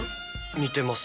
似てます。